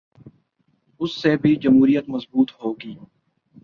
اس سے بھی جمہوریت مضبوط ہو گی۔